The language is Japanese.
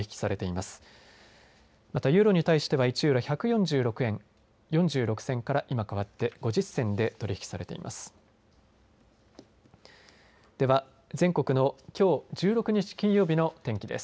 またユーロに対しては１ユーロ１４６円４６銭から今かわって５０銭で取り引きされています。